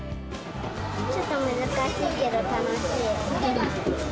ちょっと難しいけど楽しい。